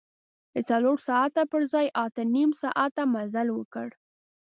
د څلور ساعته پر ځای اته نیم ساعته مزل وکړ.